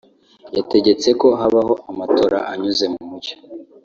yategetse ko habaho amatora anyuze mu mucyo